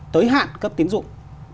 tới hạn cấp tiến dụng